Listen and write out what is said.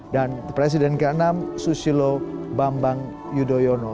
dan presiden ke enam susilo bambang yudhoyono